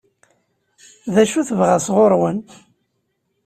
D acu i tebɣa sɣur-wen?